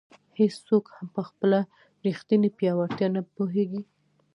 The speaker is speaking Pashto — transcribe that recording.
هیڅوک هم په خپله ریښتیني پیاوړتیا نه پوهېږي.